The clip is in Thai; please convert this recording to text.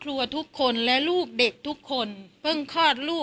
กินโทษส่องแล้วอย่างนี้ก็ได้